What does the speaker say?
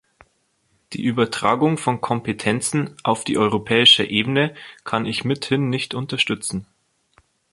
Die Übertragung von Kompetenzen auf die europäische Ebene kann ich mithin nicht unterstützen.